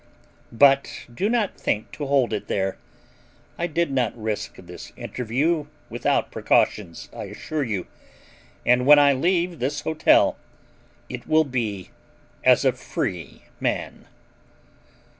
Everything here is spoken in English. But do not think to hold it there. I did not risk this interview without precautions, I assure you, and when I leave this hotel it will be as a free man."